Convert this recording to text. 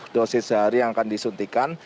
dosis sehari yang akan disuntikan